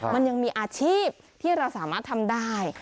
มันยังมีอาชีพที่เราสามารถทำได้